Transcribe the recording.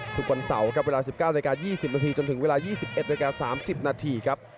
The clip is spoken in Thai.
ทุกวันเสาร์ครับเวลา๑๙นาที๒๐นาทีจนถึงเวลา๒๑นาที๓๐นาทีครับ